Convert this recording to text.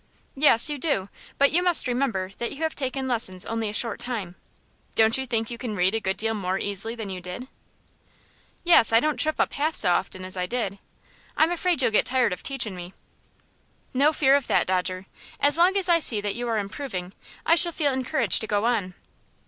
"Yes, you do; but you must remember that you have taken lessons only a short time. Don't you think you can read a good deal more easily than you did?" "Yes; I don't trip up half so often as I did. I'm afraid you'll get tired of teachin' me." "No fear of that, Dodger. As long as I see that you are improving, I shall feel encouraged to go on."